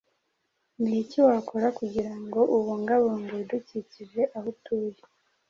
Ni iki wakora kugira ngo ubungabunge ibidukikije aho utuye?